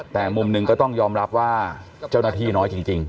แต่มุมหนึ่งก็ต้องยอมรับว่าเจ้าหน้าที่น้อยจริง